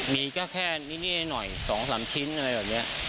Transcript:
มีก็แค่นิดนิดหน่อยสองสามชิ้นอะไรแบบเนี้ย